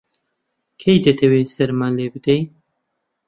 کەی دەتەوێ سەرمان لێ بدەی؟